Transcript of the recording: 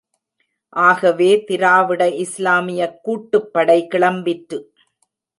ஆகவே திராவிட இஸ்லாமியக் கூட்டுப்படை கிளம்பிற்று.